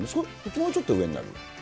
もうちょっと上になるの？